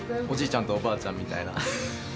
ちゃんとおばあちゃんみたいな。